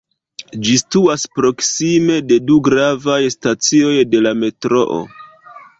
Ĝi situas proksime de du gravaj stacioj de la metroo.